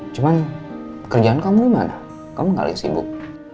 cuma kerjaan kamu gimana kamu gak lagi sibuk